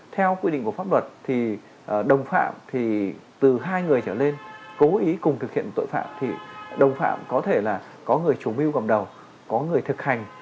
theo quy định của pháp luật thì đồng phạm thì từ hai người trở lên cố ý cùng thực hiện tội phạm thì đồng phạm có thể là có người chủ mưu cầm đầu có người thực hành